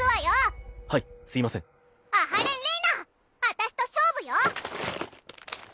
私と勝負よ！